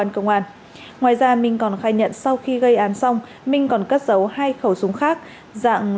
ngoài ra minh còn khai nhận sau khi gây án xong minh còn cất giấu hai khẩu súng khác dạng